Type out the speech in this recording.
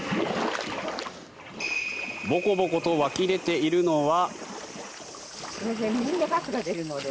ボコボコと湧き出ているのは。